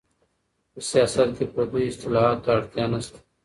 په سياست کي پرديو اصطلاحاتو ته اړتيا نشته.